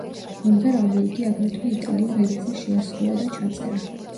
მომღერალმა იგი აგრეთვე იტალიურ ენაზე შეასრულა და ჩაწერა.